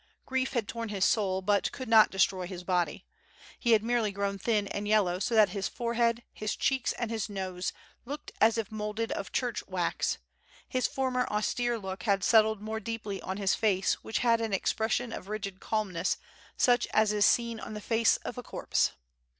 Grief had torn his soul but could not destroy his body. lie had merely grovTi thin and yellow so that his forehead, his cheeks and his nose looked as if moulded of church wax; his former austere look had settled more deeply on his face which had an expression of rigid calmness such as is seen on the face cf a corpse.